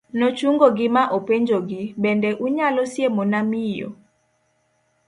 nochungo gi ma openjogi, bende unyalo siemona miyo